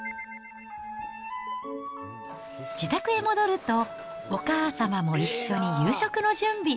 自宅へ戻ると、お母様も一緒に夕食の準備。